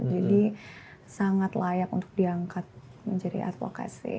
sangat layak untuk diangkat menjadi advokasi